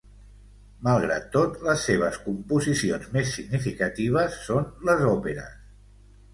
Malgrat tot, les seves composicions més significatives són les òperes.